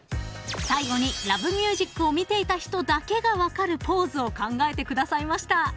［最後に『Ｌｏｖｅｍｕｓｉｃ』を見ていた人だけが分かるポーズを考えてくださいました］